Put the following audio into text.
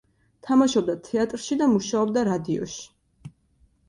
თამაშობდა თეატრში და მუშაობდა რადიოში.